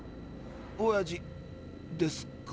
おやじですか？